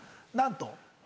何と。